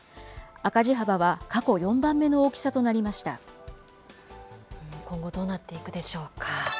赤字幅は過去４番目の大きさとな今後、どうなっていくでしょうか。